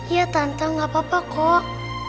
iya tante gak apa apa kok